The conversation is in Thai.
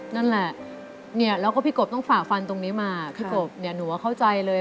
นั่นแหละแล้วก็พี่กบต้องฝากฟันตรงนี้มาพี่กบหนูว่าเข้าใจเลย